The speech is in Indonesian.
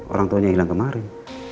orang tuanya hilang kemarin